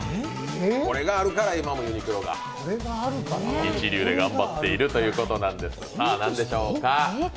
これがあるから今もユニクロが一流で頑張っているということです。